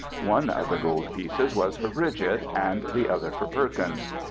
One of the gold pieces was for Bridget and the other for Perkins.